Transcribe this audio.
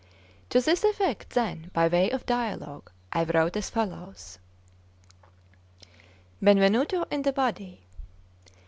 To this effect, then, by way of dialogue, I wrote as follows: 'Benvenuto in the body.